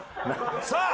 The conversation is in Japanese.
さあ！